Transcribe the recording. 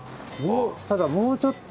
ただもうちょっと。